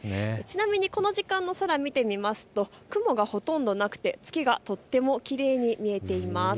この時間の空を見てみますと雲がほとんどなく月がとてもきれいに見えています。